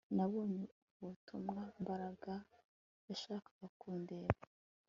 Nabonye ubutumwa Mbaraga yashakaga kundeba